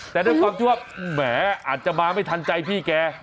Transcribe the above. แต่ด้วยความที่ว่าแหมอาจจะมาไม่ทันใจพี่แก